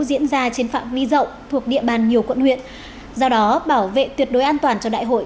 diễn ra trên phạm vi rộng thuộc địa bàn nhiều quận huyện do đó bảo vệ tuyệt đối an toàn cho đại hội